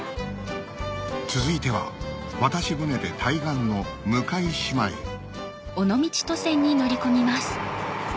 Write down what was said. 続いては渡し船で対岸の向島へうわ。